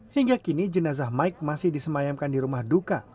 hingga kini jenazah mike masih disemayamkan di rumah duka